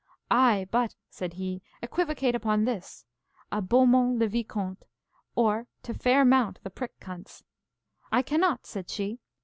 Ay but, said he, equivocate upon this: a beau mont le viconte, or, to fair mount the prick cunts. I cannot, said she.